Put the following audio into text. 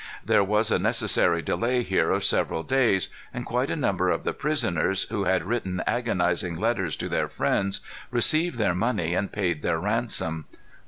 There was a necessary delay here of several days, and quite a number of the prisoners, who had written agonizing letters to their friends, received their money and paid their ransom.